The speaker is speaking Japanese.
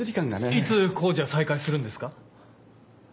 いつ工事は再開するんですか？